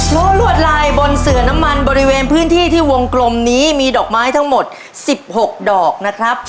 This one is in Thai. รั้วลวดลายบนเสือน้ำมันบริเวณพื้นที่ที่วงกลมนี้มีดอกไม้ทั้งหมด๑๖ดอกนะครับ